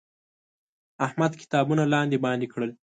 احمد کتابونه لاندې باندې کړل.